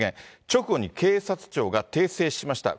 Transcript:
直後に警察庁が訂正しました。